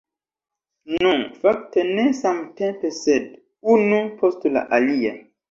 Nu, fakte ne samtempe, sed unu post la alia.